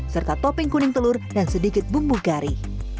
serta topeng kuning telur dan sedikit bumbu gari